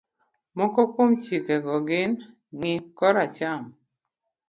Moko kuom chikego gin, ng'i koracham,